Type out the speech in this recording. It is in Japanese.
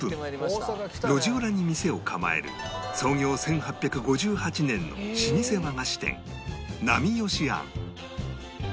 路地裏に店を構える創業１８５８年の老舗和菓子店浪芳庵